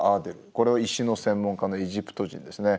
これは石の専門家のエジプト人ですね。